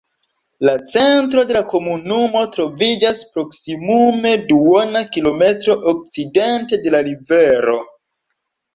La centro de la komunumo troviĝas proksimume duona kilometro okcidente de la rivero.